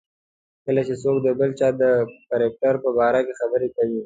کله چې څوک د بل چا د کرکټر په باره کې خبرې کوي.